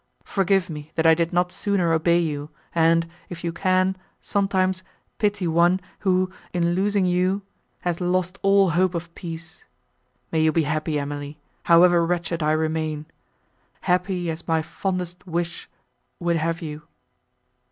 Forgive me, that I did not sooner obey you, and, if you can, sometimes, pity one, who, in losing you—has lost all hope of peace! May you be happy, Emily, however wretched I remain, happy as my fondest wish would have you!"